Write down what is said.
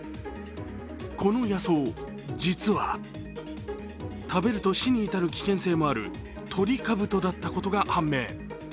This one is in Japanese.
この野草、実は食べると死に至る危険性もあるトリカブトだったことが判明。